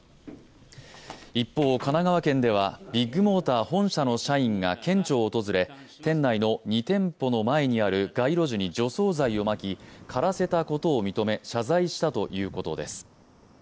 一方、神奈川県ではビッグモーター本社の社員が県庁を訪れ県内の２店舗の前にある街路樹に除草剤をまき枯らせたことを認め謝罪したということです。